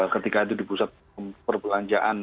ketika itu di pusat perbelanjaan